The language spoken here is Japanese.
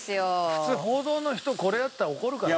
普通報道の人これやったら怒るからね。